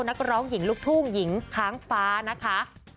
นักร้องหญิงลูกทุ่งหญิงค้างฟ้านะคะ